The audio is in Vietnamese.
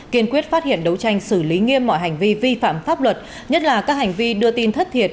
kiên quyết phát hiện đấu tranh xử lý nghiêm mọi hành vi vi phạm pháp luật nhất là các hành vi đưa tin thất thiệt